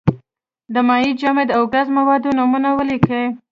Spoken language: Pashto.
د مایع، جامد او ګاز موادو نومونه ولیکئ.